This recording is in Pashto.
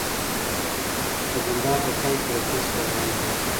د بنډار په پای کې رفیع صاحب زنګ وواهه.